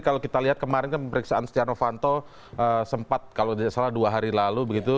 kalau kita lihat kemarin pemeriksaan stiano fanto sempat kalau tidak salah dua hari lalu begitu